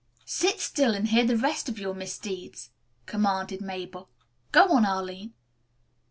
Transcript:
"Sit still and hear the rest of your misdeeds," commanded Mabel. "Go on, Arline."